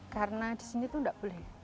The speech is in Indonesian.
karena di sini itu enggak boleh